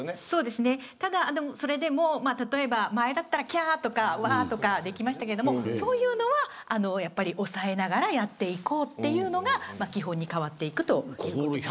そうですね、ただそれでも前だったらキャーとかワーとかできましたけど、そういうのはやっぱり、抑えながらやっていこうというのが基本に変わっていくということ。